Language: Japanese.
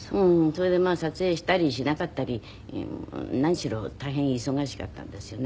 それで撮影したりしなかったり何しろ大変忙しかったんですよね。